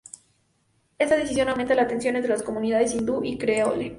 Esta decisión aumenta la tensión entre las comunidades Hindú y Creole.